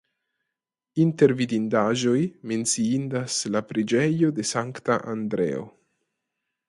Inter vidindaĵoj menciindas la preĝejo de Sankta Andreo.